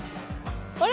あれ？